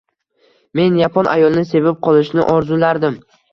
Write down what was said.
Men yapon ayolini sevib qolishni orzulardim